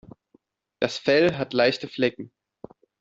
Das Fell hat leichte Flecken.